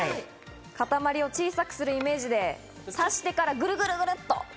塊を小さくするイメージで、刺してからグルグルっと。